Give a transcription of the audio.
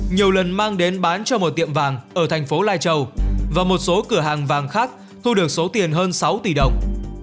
nhiều lần mang đến bán cho một tiệm vàng ở thành phố lai châu và một số cửa hàng vàng khác thu được số tiền hơn sáu tỷ đồng